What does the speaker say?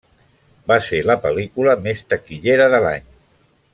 Va ser la pel·lícula més taquillera de l'any.